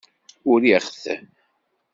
Uriɣ-t.